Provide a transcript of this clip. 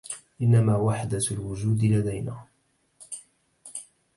إنما وحدة الوجود لدينا